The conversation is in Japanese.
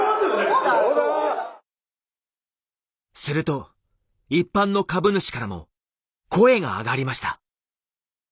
すると一般の株主からも声があがりました。